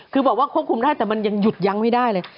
คือบอกว่าควบคุมได้แต่มันยังหยุดยั้งไม่ได้เลย